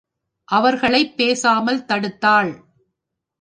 அவர்களைப் பேசாமல் தடுத்தாள்.